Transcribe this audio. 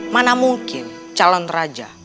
mana mungkin calon raja